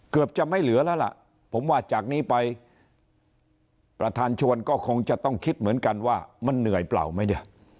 เกือบจะไม่เหลือแล้วล่ะผมว่าจากนี้ไปประธานชวนก็คงจะต้องคิดเหมือนกันว่ามันเหนื่อยเปล่าไหมเนี่ย